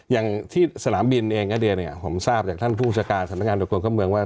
อย่างที่สนามบินเองก็ดีเนี่ยผมทราบจากท่านผู้อุชกาสนักงานโดยกลุ่นเข้าเมืองว่า